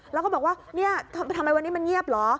แล้วก็บอกว่าเนี่ยทำไมวันนี้มันเงียบเหรอ